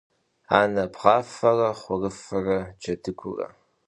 Анэ бгъафэрэ хъурыфэ джэдыгурэ.